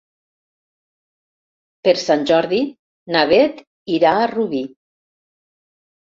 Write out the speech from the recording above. Per Sant Jordi na Beth irà a Rubí.